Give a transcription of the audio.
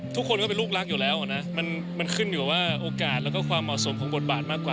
ทุกคนก็เป็นลูกลักห์อยู่แล้วขึ้นอยู่กับโอกาสกับเขาแล้วก็ความเหมาะสมของบทบาท